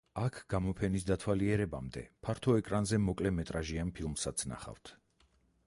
აქ გამოფენის დათვალიერებამდე ფართო ეკრანზე მოკლემეტრაჟიან ფილმსაც ნახავთ.